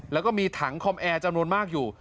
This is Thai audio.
แล้วก็มีถังคอมแอร์จำนวนมากอยู่